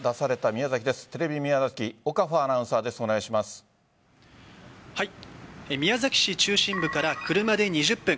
宮崎市中心部から車で２０分